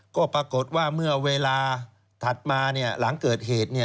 ก็ปรากฏว่าเมื่อเวลาถัดมาหลังเกิดเหตุ